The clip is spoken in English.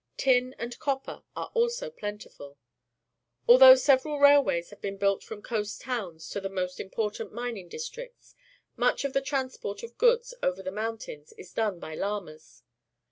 Tin. and copper are also plentiful. .\lt hough several raUwaj's have been built from coast towns to the most important mining districts, much of the transport of goods over the mountains is done bj^ llamas.